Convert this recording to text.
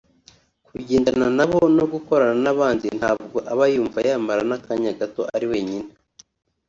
kujyendana nabo no gukorana n’abandi ntabwo aba yumva yamara n’akanya gato ari wenyine